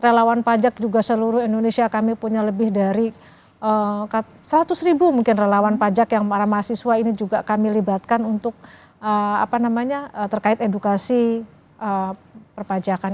relawan pajak juga seluruh indonesia kami punya lebih dari seratus ribu mungkin relawan pajak yang para mahasiswa ini juga kami libatkan untuk terkait edukasi perpajakan